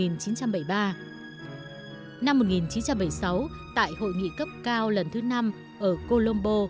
năm một nghìn chín trăm bảy mươi sáu tại hội nghị cấp cao lần thứ năm ở colombo